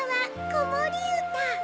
こもりうた」。